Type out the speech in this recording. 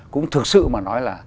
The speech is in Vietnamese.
cũng thực sự mà nói là